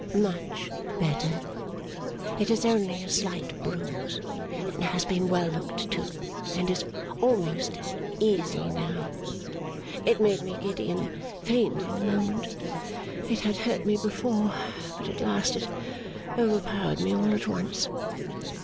'Much better. It is only a slight bruise, and has been well looked to, and is almost easy now. It made me giddy and faint in a moment. It had hurt me before; but at last it overpowered me all at once.